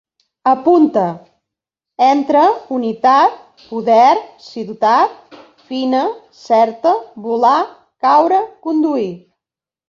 Apunta: entre, unitat, poder, ciutat, fina, certa, volar, caure, conduir